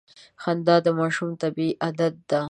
• خندا د ماشومانو طبیعي عادت دی.